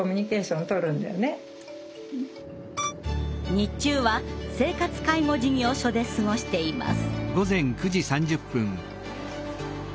日中は生活介護事業所で過ごしています。